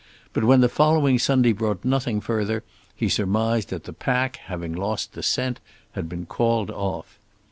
But when the following Sunday brought nothing further he surmised that the pack, having lost the scent, had been called off.